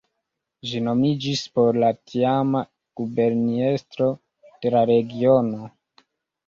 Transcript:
Ĝi nomiĝis por la tiama guberniestro de la regiono.